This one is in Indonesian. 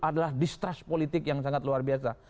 adalah distrust politik yang sangat luar biasa